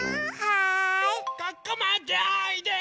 ここまでおいで！